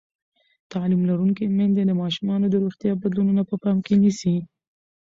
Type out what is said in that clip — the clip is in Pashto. تعلیم لرونکې میندې د ماشومانو د روغتیا بدلونونه په پام کې نیسي.